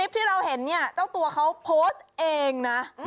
ที่เราเห็นเนี่ยเจ้าตัวเขาโพสต์เองนะ